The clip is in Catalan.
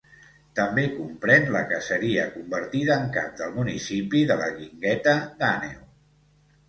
També comprèn la caseria, convertida en cap del municipi, de la Guingueta d'Àneu.